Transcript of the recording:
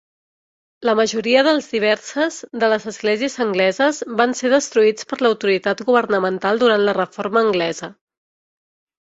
La majoria dels diverses de les esglésies angleses van ser destruïts per l'autoritat governamental durant la reforma anglesa.